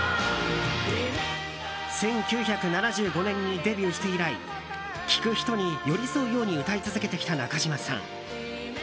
１９７５年にデビューして以来聴く人に寄り添うように歌い続けてきた中島さん。